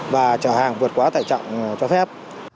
và trở hàng vượt quá tại trọng cho phép